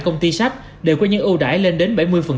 công ty sách đều có những ưu đãi lên đến bảy mươi